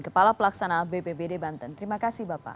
kepala pelaksanaan bppd banten terima kasih bapak